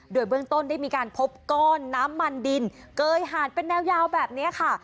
โดยเบื้องต้นได้มีการพบก้อนน้ำมันดินเกยหาดเป็นแนวยาวแบบนี้ค่ะ